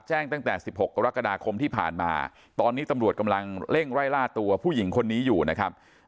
ตั้งแต่๑๖กรกฎาคมที่ผ่านมาตอนนี้ตำรวจกำลังเร่งไล่ล่าตัวผู้หญิงคนนี้อยู่นะครับ